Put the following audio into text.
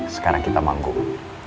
sekarang kita manggung